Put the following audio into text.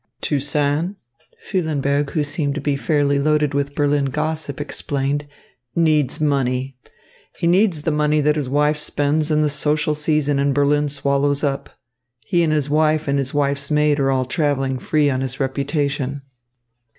"Toussaint," Füllenberg, who seemed to be fairly loaded with Berlin gossip, explained, "needs money. He needs the money that his wife spends and the social season in Berlin swallows up. He and his wife and his wife's maid are all travelling free on his reputation.